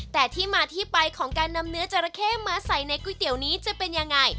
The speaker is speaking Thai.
แต่ที่มาที่ไปของการนำเนื้อจราเข้มาใส่ในก๋วยเตี๋ยวนี้จะเป็นยังไง